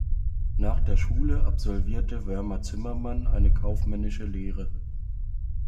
Nach der Schule absolvierte Wörmer-Zimmermann eine kaufmännische Lehre.